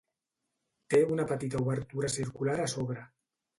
Té una petita obertura circular a sobre.